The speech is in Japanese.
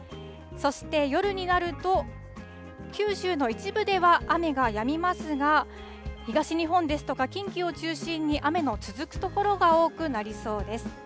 そして夜になると、九州の一部では雨がやみますが、東日本ですとか近畿を中心に、雨の続く所が多くなりそうです。